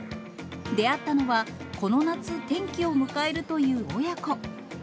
出会ったのは、この夏、転機を迎えるという親子。